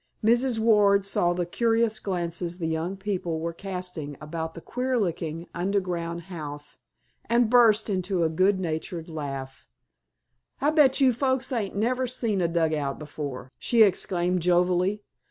Mrs. Ward saw the curious glances the young people were casting about the queer looking underground house and burst into a good natured laugh. "I'll bet you folks ain't never seen a dugout before," she exclaimed jovially.